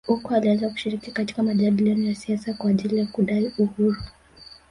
Huko alianza kushiriki katika majadiliano ya kisiasa kwa ajili ya kudai uhuru